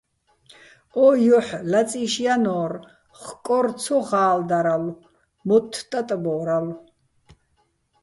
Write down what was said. ო ჲოჰ̦ ლაწი́შ ჲანო́რ, ხკორ ცო ღა́ლდარალო̆, მოთთ ტატბო́რალო̆.